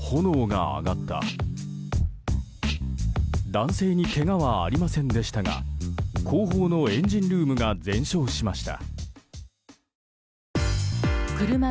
男性にけがはありませんでしたが後方のエンジンルームが全焼しました。